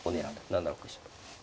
７六飛車と。